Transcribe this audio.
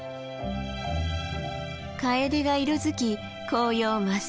カエデが色づき紅葉真っ盛り。